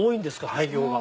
廃業が。